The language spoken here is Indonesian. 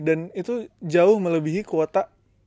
dan itu jauh melebihi kuota